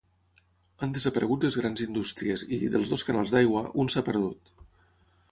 Han desaparegut les grans indústries i, dels dos canals d'aigua, un s'ha perdut.